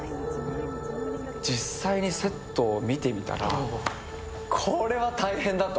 実際にセットを見てみたら、これは大変だと。